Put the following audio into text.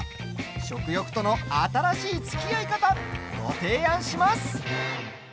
食欲との新しいつきあい方ご提案します。